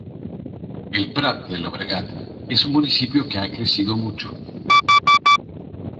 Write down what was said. El Prat de Llobregat es un municipio que ha crecido mucho.